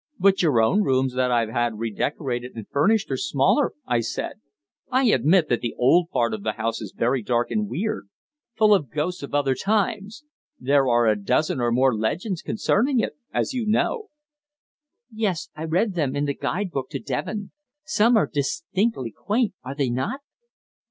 "But your own rooms that I've had redecorated and furnished are smaller," I said. "I admit that the old part of the house is very dark and weird full of ghosts of other times. There are a dozen or more legends concerning it, as you know." "Yes, I read them in the guide book to Devon. Some are distinctly quaint, are they not?"